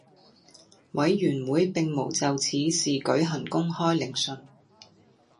委員會並無就此事舉行公開聆訊